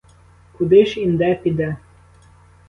Куди ж інде піде?